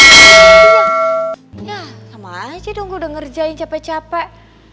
ya sama aja dong gue udah ngerjain capek capek